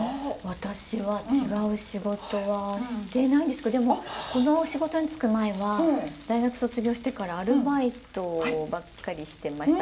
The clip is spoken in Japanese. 私は違う仕事はしてないんですけどでもこの仕事に就く前は大学卒業してからアルバイトばっかりしてました。